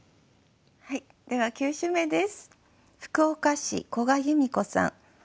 では９首目です。